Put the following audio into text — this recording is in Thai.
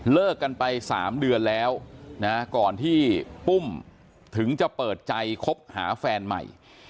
กันไป๓เดือนแล้วนะก่อนที่ปุ้มถึงจะเปิดใจคบหาแฟนใหม่